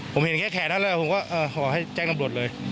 ผมเห็นแค่แล้วผมก็ออกให้แจ้งนับรวจเลย